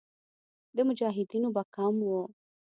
د مجاهدینو به کم وو.